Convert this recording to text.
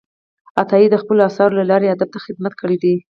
عطايي د خپلو آثارو له لارې ادب ته خدمت کړی دی.